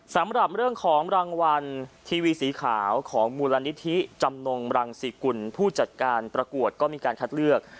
สำหรับเรื่องของรางวัลทีวีสีขาวของมูลนิธิจำนงรังสิกุลผู้จัดการประกวดก็มีการคัดเลือก